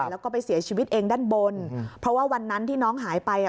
แล้วก็ไปเสียชีวิตเองด้านบนเพราะว่าวันนั้นที่น้องหายไปอ่ะ